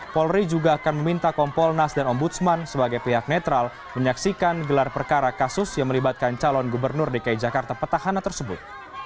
polri juga akan meminta kompolnas dan ombudsman sebagai pihak netral menyaksikan gelar perkara kasus yang melibatkan calon gubernur dki jakarta petahana tersebut